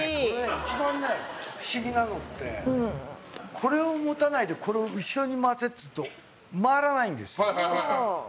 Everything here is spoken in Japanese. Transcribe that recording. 一番不思議なのってこれを持たないでこれを後ろに回せっていうと回らないんですよ。